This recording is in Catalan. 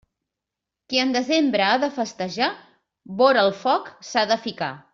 Qui en desembre ha de festejar, vora el foc s'ha de ficar.